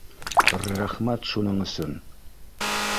Р-рәхмәт шуның өсөн